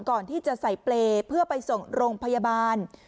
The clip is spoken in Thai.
ก่อนที่จะใส่เปรย์เพื่อไปส่งโรงพยาบาล